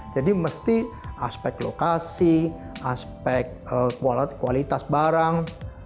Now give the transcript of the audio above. jadi mesti aspek lokasi aspek kualitas barang